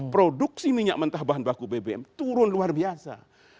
produksi minyak mentah bahan baku bbm turun luar biasa